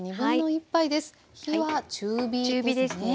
火は中火ですね。